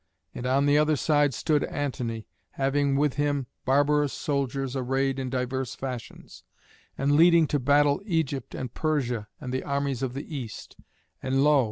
And on the other side stood Antony, having with him barbarous soldiers arrayed in divers fashions, and leading to battle Egypt and Persia and the armies of the East; and lo!